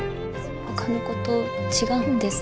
ほかの子と違うんです。